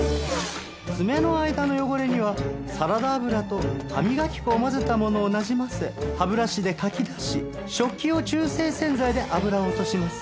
爪の間の汚れにはサラダ油と歯磨き粉を混ぜたものをなじませ歯ブラシでかき出し食器用中性洗剤で油を落とします。